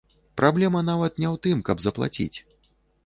Праблема нават не ў тым, каб заплаціць.